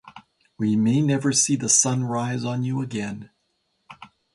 We may never see the sun rise on you again.